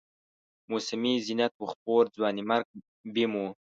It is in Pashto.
موسمي زینت و خپور، ځوانیمرګ بیم و